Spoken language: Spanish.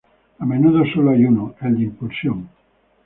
A menudo solo hay uno, el de impulsión.